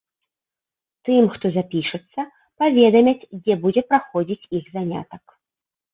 Тым, хто запішацца, паведамяць, дзе будзе праходзіць іх занятак.